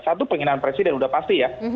satu pengenalan presiden udah pasti ya